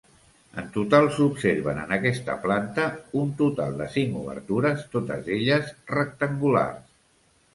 En total s'observen en aquesta planta un total de cinc obertures, totes elles rectangulars.